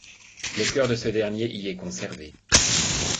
Le cœur de ce dernier y est conservé.